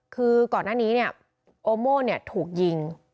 คือก่อนหน้านี้เนี่ยโอโม่ถูกยิง